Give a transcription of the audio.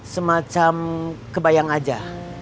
semacam kebayang aja